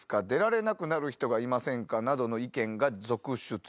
出られなくなる人がいませんかなどの意見が続出。